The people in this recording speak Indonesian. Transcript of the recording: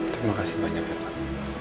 terima kasih banyak ya pak